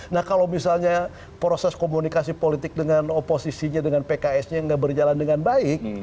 nah kalau misalnya proses komunikasi politik dengan oposisinya dengan pksnya enggak berjalan dengan baik